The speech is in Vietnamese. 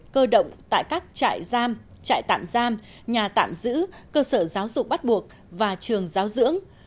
cơ động tại các trại giam trại tạm giam nhà tạm giữ cơ sở giáo dục bắt buộc và trường giáo dưỡng